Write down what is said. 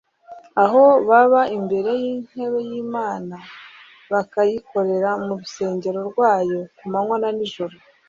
Aho "baba imbere y'intebe y'Imana bakayikorera mu rusengero rwayo, ku manywa na nijoro.